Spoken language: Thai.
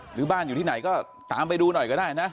หรือบ้านอยู่ที่ไหนก็ตามไปดูหน่อยก็ได้นะ